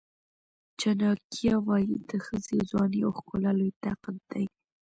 چناکیا وایي د ښځې ځواني او ښکلا لوی طاقت دی.